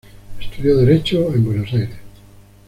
Estudió derecho en Buenos Aires.